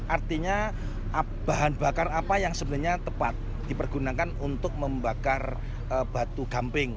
artinya bahan bakar apa yang sebenarnya tepat dipergunakan untuk membakar batu gamping